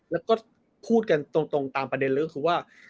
แล้วก็พูดกันตรงตามประเด็นเรื่องคือว่า